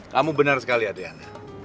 kamu bener sekali adhian